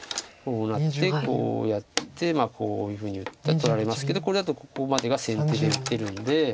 こうなってこうやってこういうふうに打ったら取られますけどこれだとここまでが先手で打てるんで。